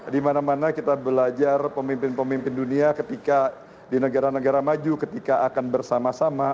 dimana mana kita belajar pemimpin pemimpin dunia ketika di negara negara maju ketika akan bersama sama